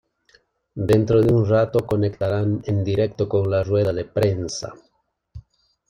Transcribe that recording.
Dentro de un rato conectarán en directo con la rueda de prensa.